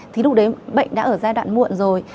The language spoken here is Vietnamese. thì lúc đấy bệnh đã ở giai đoạn muộn rồi